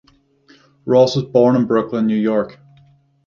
Ross was born in Brooklyn, New York.